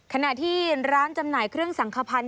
ขณะที่ร้านจำหน่ายเครื่องสังขพันธ